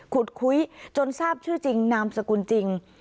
ขุดคุยจนทราบชื่อจริงนามสกุลจริง